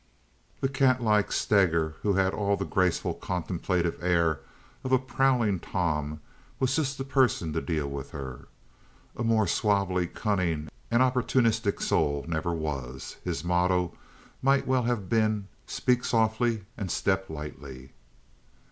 The cat like Steger, who had all the graceful contemplative air of a prowling Tom, was just the person to deal with her. A more suavely cunning and opportunistic soul never was. His motto might well have been, speak softly and step lightly.